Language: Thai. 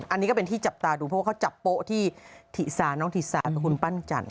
อันนี้ก็เป็นที่จับตาดูเพราะว่าเขาจับโป๊ะที่ถิสาน้องถิสากับคุณปั้นจันท